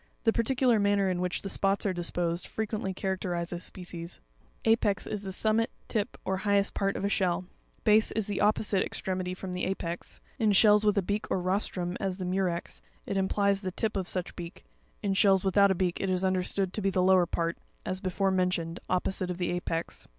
The particular manner in which the spots are disposed, frequently characterizes species. Apex, is the summit, tip, or highest part of a shell ( fig. 116). Base, is the opposite extremity from the apex (fig. 116). In shells with a beak or rostrum (as the Murex, fig. 64), it implies the tip of such beak; in shells without a beak it is understood to be the lower part, as before mentioned, opposite the apex.